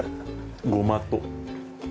ごまと。